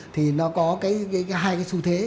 thì nó có hai sự thế